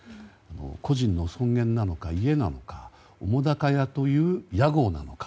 個人の尊厳なのか家なのか澤瀉屋という屋号なのか。